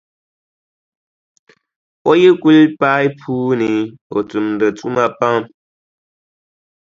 O yi kuli paai puu ni, o tumdi tuma pam.